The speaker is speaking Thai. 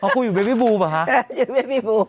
คู่อยู่เบบี้บูปะคะอยู่เบบี้บู